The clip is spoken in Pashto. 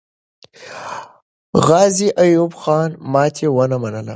غازي ایوب خان ماتې ونه منله.